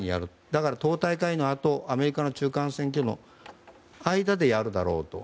だから党大会のあとアメリカの中間選挙の間でやるだろうと。